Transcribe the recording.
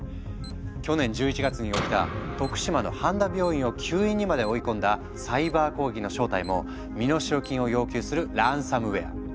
去年１１月に起きた徳島の半田病院を休院にまで追い込んだサイバー攻撃の正体も身代金を要求する「ランサムウェア」。